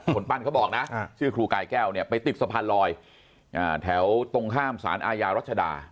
คนปั้นเขาบอกนะชื่อครูกายแก้วเนี่ยไปติดสะพานลอยแถวตรงข้ามสารอาญารัชดา